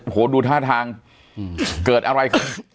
โหดูท่าทางเกิดอะไรคือ